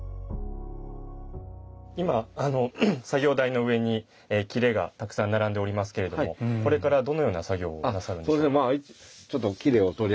今作業台の上に裂がたくさん並んでおりますけれどもこれからどのような作業をなさるんですか？